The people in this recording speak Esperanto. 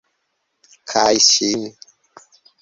Kaj ŝin.